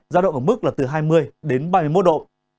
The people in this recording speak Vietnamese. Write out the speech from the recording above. ra động ở mức là từ hai mươi ba mươi một độ